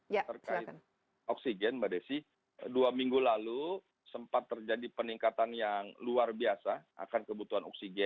terkait oksigen mbak desi dua minggu lalu sempat terjadi peningkatan yang luar biasa akan kebutuhan oksigen